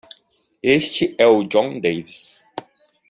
Este é o Jon Davis.